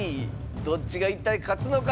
どっちが一体勝つのか？